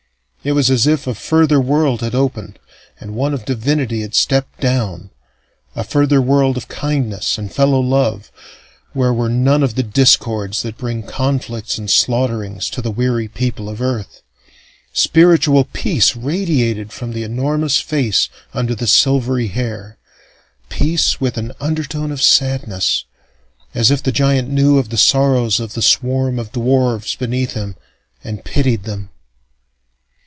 It was if a further world had opened, and one of divinity had stepped down; a further world of kindness and fellow love, where were none of the discords that bring conflicts and slaughterings to the weary people of Earth. Spiritual peace radiated from the enormous face under the silvery hair, peace with an undertone of sadness, as if the giant knew of the sorrows of the swarm of dwarfs beneath him, and pitied them.